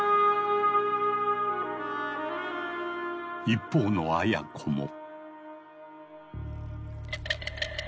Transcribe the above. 一方のアヤ子も。